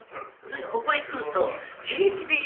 ここへ来ると平気で言える。